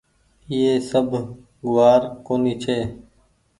ايئي سب گوآر ڪونيٚ ڇي